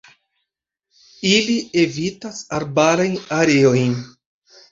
Ili evitas arbarajn areojn.